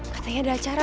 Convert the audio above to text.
katanya ada acara